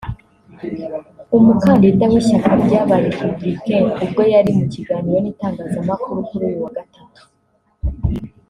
umukandida w’ishyaka ry’aba Républicains ubwo yari mu kiganiro n’itangazamakuru kuri uyu wa gatatu